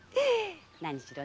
何しろ